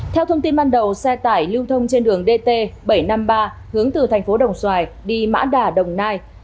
theo thông tin ban đầu xe tải lưu thông trên đường dt bảy trăm năm mươi ba hướng từ thành phố đồng xoài đi mã đà đồng nai